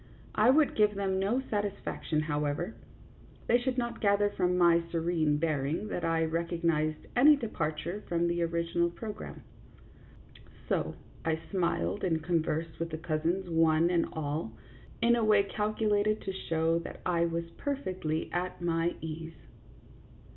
I would give them no satisfaction, however; they should not gather from my serene bearing that I recognized any departure from the original program ; so I smiled and con versed with the cousins one and all in a way cal culated to show that I was perfectly at my ease.